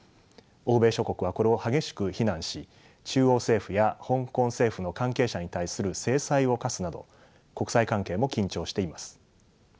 欧米諸国はこれを激しく非難し中央政府や香港政府の関係者に対する制裁を科すなど国際関係も緊張しています。